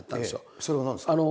それは何ですか？